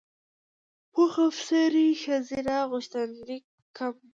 پوځ افسرۍ ښځینه غوښتنلیکونه کم دي.